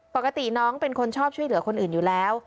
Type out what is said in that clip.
ปกติน้องเป็นคนชอบช่วยเหลือคนอื่นอยู่แล้ว